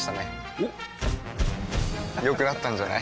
おっ良くなったんじゃない？